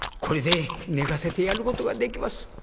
これで寝かせてやることができます。